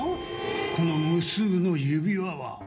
この無数の指輪は。